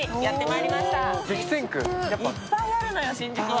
いっぱいあるのよ、新宿は。